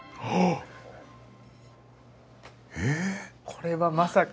これはまさか？